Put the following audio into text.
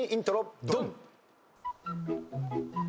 ドン！